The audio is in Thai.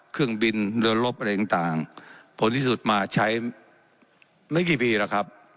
เครื่องบินเรือลบอะไรต่างผลที่สุดมาใช้ไม่กี่ปีแล้วครับ